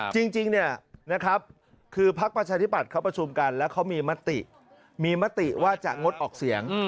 จริงเนี่ยนะครับคือพักประชาธิบัติเขาประชุมกันแล้วเขามีมติมีมติว่าจะงดออกเสียง